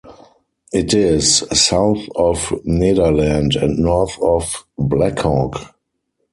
It is south of Nederland and north of Black Hawk.